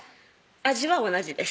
味は同じです